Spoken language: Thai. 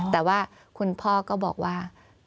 แต่ว่าคุณพ่อก็บอกว่า